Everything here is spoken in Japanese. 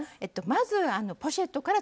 まずポシェットから。